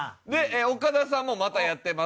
岡田さんもまたやってます。